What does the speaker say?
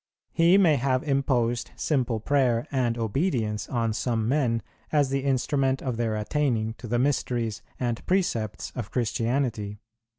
He may have imposed simple prayer and obedience on some men as the instrument of their attaining to the mysteries and precepts of Christianity.